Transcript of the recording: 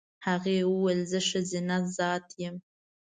هغې وویل زه ښځینه ذات یم.